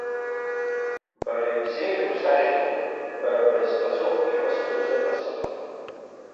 Бара ибзеиӷьу сашьҭоуп, бара бразҟы азоуп иҟасҵо зыҟасҵо.